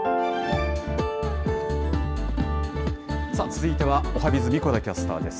さあ、続いてはおはＢｉｚ、神子田キャスターです。